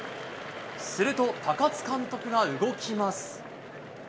すると、高津監督が動きます。